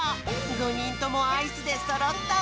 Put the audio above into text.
５にんともアイスでそろった！